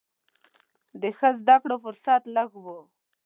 د ښه زده کړو فرصت لږ و.